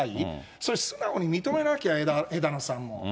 それ、素直に認めなきゃ、枝野さんも。